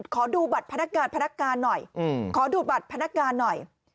ขอดูบัตรพนักงานพนักการหน่อยขอดูบัตรพนักงานหน่อย